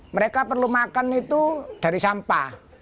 mereka perlu makan itu dari sampah